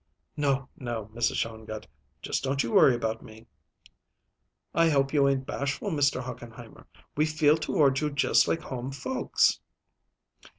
"No, no, Mrs. Shongut; just don't you worry about me." "I hope you ain't bashful, Mr. Hochenheimer. We feel toward you just like home folks."